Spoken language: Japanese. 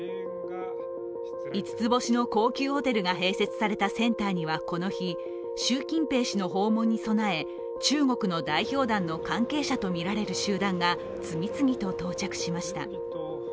５つ星の高級ホテルが併設されたセンターにはこの日、習近平氏の訪問に備え中国の代表団の関係者とみられる集団が次々と到着しました。